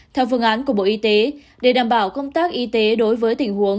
theo phương án của bộ y tế để đảm bảo công tác y tế đối với tình huống